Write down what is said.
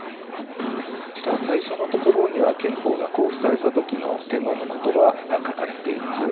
こちら最初のところには憲法が公布された時の天皇の言葉が書かれています。